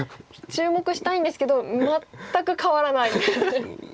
注目したいんですけど全く変わらないですね。